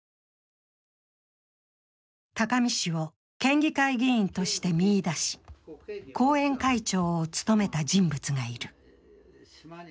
高見氏を県議会議員として見いだし、後援会長を務めた人物がいる。